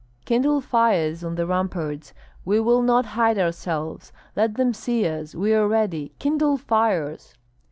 "Kindle fires on the ramparts! We will not hide ourselves; let them see us, we are ready! Kindle fires!"